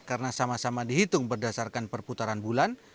karena sama sama dihitung berdasarkan perputaran bulan